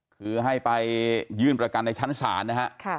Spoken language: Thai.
คือให้ไปยื่นประกันในชั้นศาลนะฮะ